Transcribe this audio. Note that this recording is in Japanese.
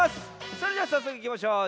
それではさっそくいきましょう！